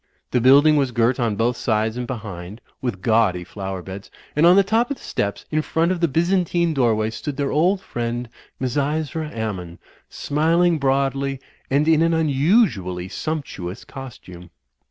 The build ing was girt on both sides and behind with gaudy flower beds, and on the top of the steps, in front of the Byzantine doorway, stood their old friend, Misysra Ammon, smiling broadly, and in an unusually siunp tuous costume.